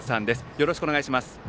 よろしくお願いします。